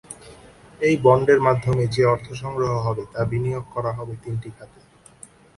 এই বন্ডের মাধ্যমে যে অর্থ সংগ্রহ হবে, তা বিনিয়োগ করা হবে তিনটি খাতে।